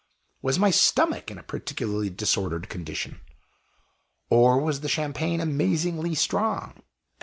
Was my stomach in a particularly disordered condition? Or was the Champagne amazingly strong?